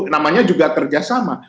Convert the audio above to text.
namanya juga kerjasama